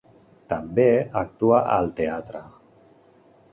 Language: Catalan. També actua al teatre.